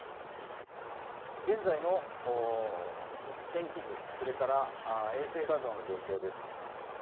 現在の天気図、それから衛星画像の状況です。